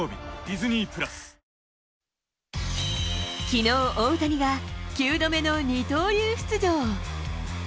きのう、大谷が９度目の二刀流出場。